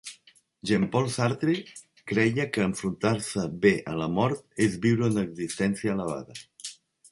Jean-Paul Sartre creia que enfrontar-se bé a la mort és viure una existència elevada.